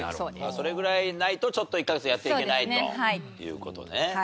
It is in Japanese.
それぐらいないとちょっと１カ月やっていけないという事ね。